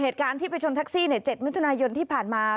เอ่อเหตุการณ์ที่ไปชนแท็กซี่เนี่ยเจ็ดมิถุนายนที่ผ่านมา